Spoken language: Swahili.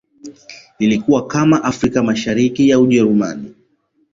Ilikuwa kama Afrika Mashariki ya Ujerumani